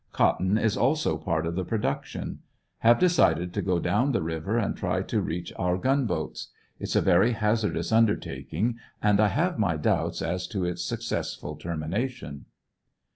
Cotton is also part of the produc tion. Have decided to go down the river and try to reach our gun boats. It's a veiy hazardous undertaking, and i have my doubts as to its successful termination.